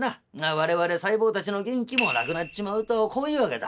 我々細胞たちの元気もなくなっちまうとこういうわけだ」。